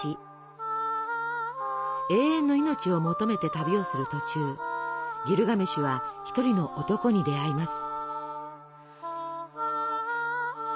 永遠の命を求めて旅をする途中ギルガメシュは一人の男に出会います。